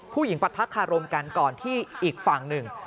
ผู้หญิงปรัฐคารมกันก่อนที่อีกฝั่งหนึ่ง